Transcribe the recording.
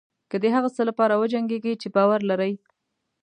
که د هغه څه لپاره وجنګېږئ چې باور لرئ.